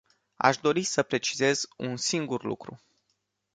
Aș dori să precizez un singur lucru.